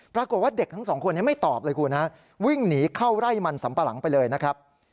ปรากฏว่าเด็กทั้งสองคนนี้ไม่ตอบเลยคุณฮะวิ่งหนีเข้าไร่มันสัมปะหลังไปเลยนะครับ